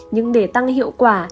nhưng để tăng hiệu quả